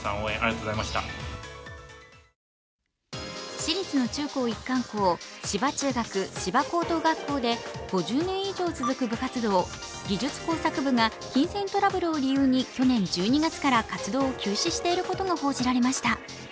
私立の中高一貫校、芝中学・芝高等学校で５０年以上続く部活動、技術工作部が金銭トラブルを理由に去年１２月から活動を中止していることが報じられました。